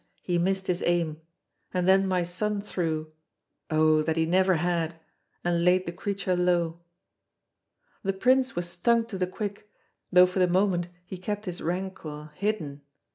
he missed his aim, and then my son threw oh, that he never had! and laid the creature low. The prince was stung to the quick, though for the moment he kept his rancour hidden.